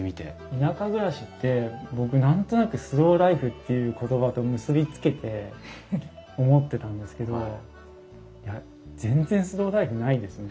田舎暮らしって僕何となくスローライフっていう言葉と結び付けて思ってたんですけど全然スローライフないですね。